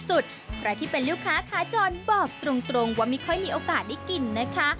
ใครที่เป็นลูกค้าขาจรบอกตรงว่าไม่ค่อยมีโอกาสได้กินนะคะ